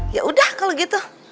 ya udah kalau gitu